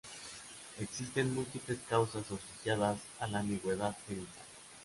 Existen múltiples causas asociadas a la ambigüedad genital.